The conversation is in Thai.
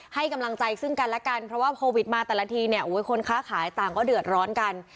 ให้กำลังใจซึ่งกันแล้วกันเพราะว่าโควิดมาแต่ละทีเนี่ยคนค้าขายต่างก็เดือดร้อนกัน